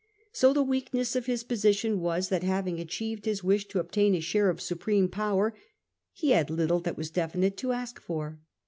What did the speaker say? So the weakness of Ms posi tion was, that having achieved his wish to obtain a share of supreme power, he had little that was definite to ask for.